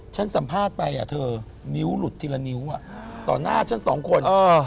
สัมภาษณ์ไปเธอนิ้วหลุดทีละนิ้วต่อหน้าฉันสองคน